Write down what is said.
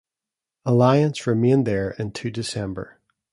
"Alliance" remained there into December.